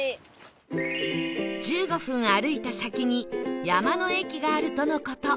１５分歩いた先に山の駅があるとの事